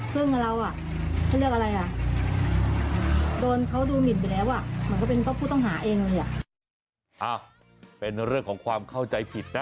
เป็นเรื่องของความเข้าใจผิดนะ